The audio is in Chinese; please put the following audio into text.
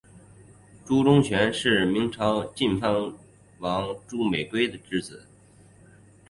朱钟铉是明朝晋藩王朱美圭之子。